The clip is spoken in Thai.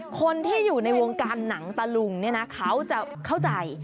คนที่อยู่ในวงการหนังตะลุงเนี่ยนะเขาจะเข้าใจ